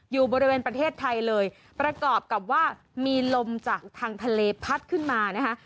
อยู่บริเวณประเทศไทยเลยประกอบกับว่ามีลมจากทางทะเลพัดขึ้นมานะคะ